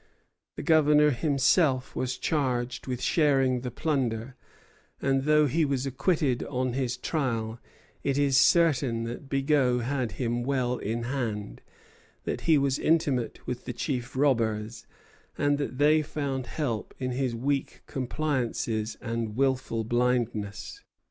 The Governor himself was charged with sharing the plunder; and though he was acquitted on his trial, it is certain that Bigot had him well in hand, that he was intimate with the chief robbers, and that they found help in his weak compliances and wilful blindness.